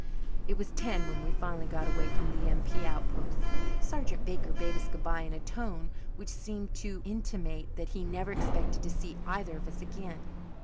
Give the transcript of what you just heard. It was ten when we finally got away from the M.P. outpost. Sergeant Baker bade us goodbye in a tone which seemed to intimate that he never expected to see either of us again.